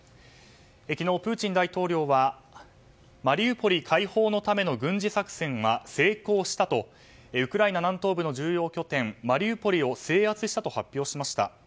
昨日、プーチン大統領はマリウポリ解放のための軍事作戦は成功したとウクライナ南東部の重要拠点マリウポリを制圧したと発表しました。